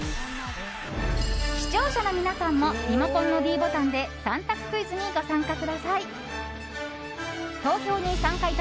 視聴者の皆さんもリモコンのｄボタンで３択クイズにご参加ください。